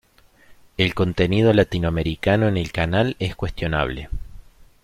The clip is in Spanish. El contenido latinoamericano en el canal es cuestionable.